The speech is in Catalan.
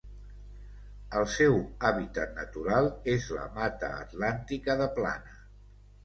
El seu hàbitat natural és la Mata Atlàntica de plana.